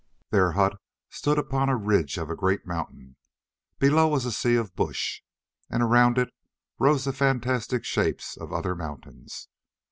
Their hut stood upon the ridge of a great mountain; below was a sea of bush, and around it rose the fantastic shapes of other mountains.